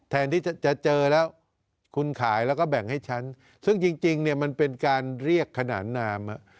แทนที่จะเจอแล้วคุณขายแล้วก็แบ่งให้ฉันซึ่งจริงเนี่ยมันเป็นการเรียกขนานนาม